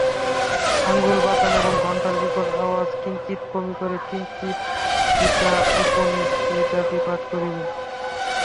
আঙুল-বাঁকান এবং ঘণ্টার বিকট আওয়াজ কিঞ্চিৎ কমি করে কিঞ্চিৎ গীতা-উপনিষদাদি পাঠ করিবে।